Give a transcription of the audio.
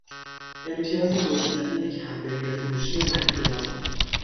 امتیاز گشودن یک همبرگر فروشی مکدونالد